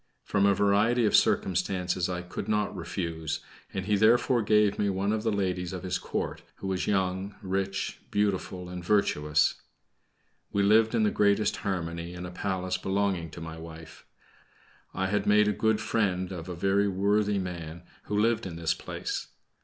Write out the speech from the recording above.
From a variety of circumstances I could not refuse, and he therefore gave me one of the ladies of his Court, who was young, rich, beautiful, and virtuous. We lived in the greatest harmony in a palace belonging to my wife. I had made a good friend of a very worthy man who lived in this place.